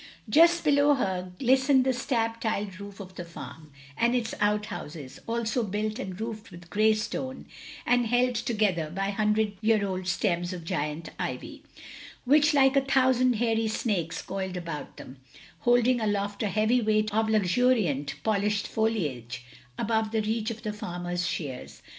Just below her glistened the slab tiled roof of the farm, and its outhouses, also built and roofed with grey stone, and held together by hundred year old stems of giant ivy, which like a thousand hairy snakes coiled about them, holding aloft a heavy weight of luxuriant polished foliage above the reach of the farmer's shears.